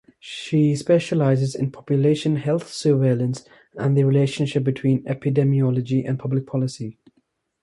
She specializes in population health surveillance and the relationship between epidemiology and public policy.